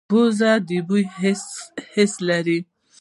پوزه د بوی حس لري